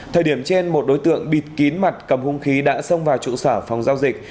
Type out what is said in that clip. thời điểm trên một đối tượng bịt kín mặt cầm hung khí đã xông vào trụ sở phòng giao dịch